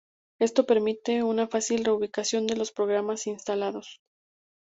Esto permite una fácil reubicación de los programas instalados.